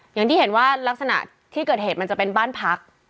อย่างที่เห็นว่ารักษณะที่เกิดเหตุมันจะเป็นบ้านพัก